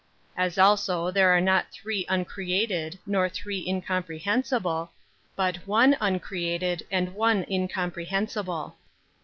12. As also there are not three uncreated nor three incomprehensible, but one uncreated and one incomprehensible.